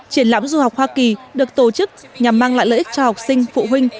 triển lãm du học hoa kỳ được tổ chức nhằm mang lại lợi ích cho học sinh phụ huynh